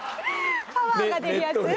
パワーが出るやつ？